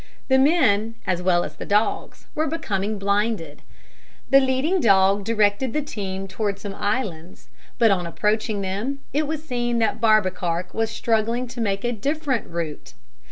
The men as well as the dogs were becoming blinded. The leading dog directed the team towards some islands; but on approaching them it was seen that Barbekark was struggling to make a different route.